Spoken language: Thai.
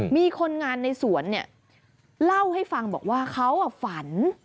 มีคนงานในสวนเนี่ยเล่าให้ฟังบอกว่าเขาฝัน